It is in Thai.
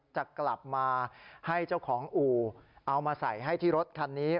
จะกลับมาให้เจ้าของอู่เอามาใส่ให้ที่รถคันนี้